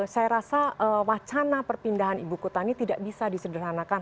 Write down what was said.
saya rasa wacana perpindahan ibu kota ini tidak bisa disederhanakan